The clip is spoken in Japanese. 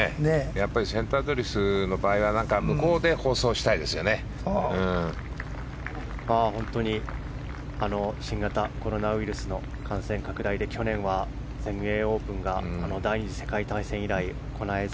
やっぱりセントアンドリュースの場合は新型コロナウイルスの感染拡大で去年は、全英オープンが第２次世界大戦以来行われず。